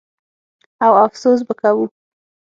او افسوس به کوو.